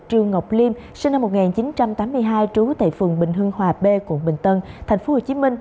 trương ngọc liêm sinh năm một nghìn chín trăm tám mươi hai trú tại phường bình hương hòa b tp hcm